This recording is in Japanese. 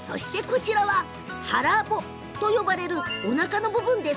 こちらはハラボと呼ばれるおなかの部分。